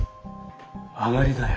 上がりだよ。